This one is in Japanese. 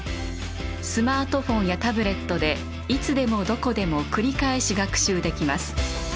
スマートフォンやタブレットでいつでもどこでも繰り返し学習できます。